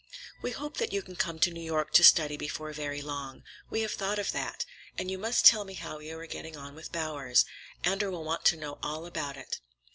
"We hope that you can come to New York to study before very long. We have thought of that. And you must tell me how you are getting on with Bowers. Andor will want to know all about it."